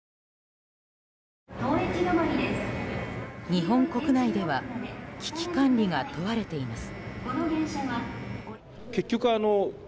日本国内では危機管理が問われています。